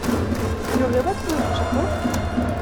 Tu n’aurais pas trouvé mon chapeau ?…